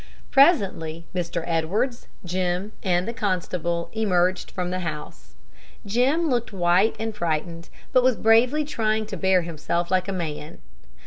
Presently Mr. Edwards, Jim, and the constable emerged from the house. Jim looked white and frightened, but was bravely trying to bear himself like a man.